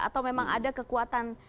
atau memang ada kekuatan